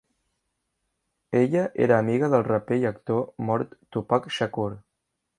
Ella era amiga del raper i actor mort Tupac Shakur.